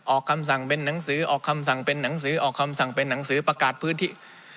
ออกคำสั่งเป็นหนังสือออกคำสั่งเป็นหนังสือออกคำสั่งเป็นหนังสือประกาศพื้นที่